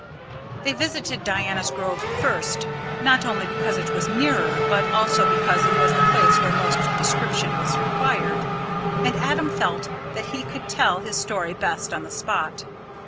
They visited Diana's Grove first, not only because it was nearer, but also because it was the place where most description was required, and Adam felt that he could tell his story best on the spot.